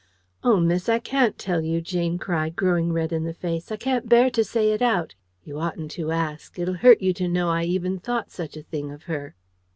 "Oh, miss, I can't tell you!" Jane cried, growing red in the face, "I can't bear to say it out. You oughtn't to ask. It'll hurt you to know I even thought such a thing of her!"